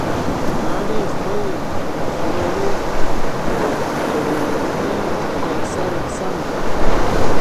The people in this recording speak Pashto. پاڼې خپل زوړ پړونی په سر سم کړ.